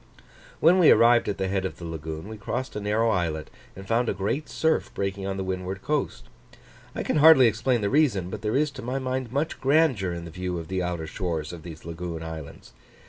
When we arrived at the head of the lagoon, we crossed a narrow islet, and found a great surf breaking on the windward coast. I can hardly explain the reason, but there is to my mind much grandeur in the view of the outer shores of these lagoon islands.